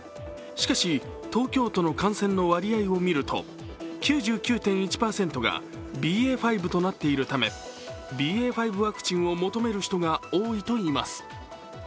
しかし、東京都の感染の割合を見ると９９．１％がＢＡ．５となっているため、ＢＡ．５ワクチンを求める人が多いといいます。